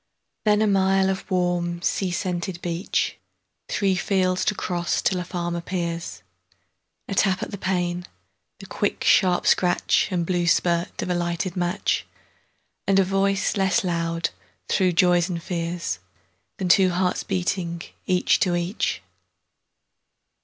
Then a mile of warm sea scented beach; Three fields to cross till a farm appears;A tap at the pane, the quick sharp scratchAnd blue spurt of a lighted match, And a voice less loud, through joys and fears, Than the two hearts beating each to each!